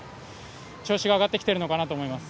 調子が上がってきているのかなと思います。